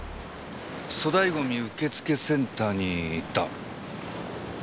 ゴミ受付センターに行った？